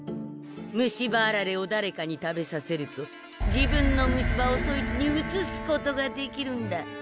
虫歯あられをだれかに食べさせると自分の虫歯をそいつにうつすことができるんだ。えっ？